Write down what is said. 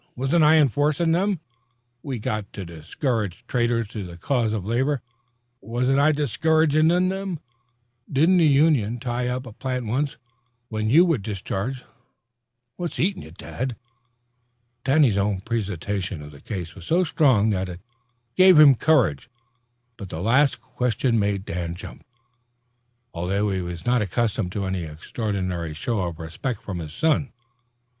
Wasn't I enforcin' them? We got to discourage traitors to the cause of labor. Wasn't I discouragin' them? Didn't the union tie up a plant once when you was discharged? What's eatin' you, dad?" Danny's own presentation of the case was so strong that it gave him courage. But the last question made Dan jump, although he was not accustomed to any extraordinary show of respect from his son.